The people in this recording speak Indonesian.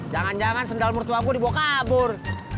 jangan jangan sendal mertua gua dibawa kabur